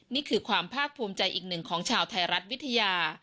นี่คือความภาคภูมิใจอีกหนึ่งของชาวไทยรัฐวิทยา